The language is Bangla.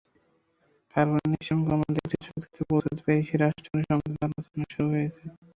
কার্বন নিঃসরণ কমাতে একটি চুক্তিতে পৌঁছাতে প্যারিসে রাষ্ট্রগুলোর সমঝোতার আলোচনা শুরু হয়েছে।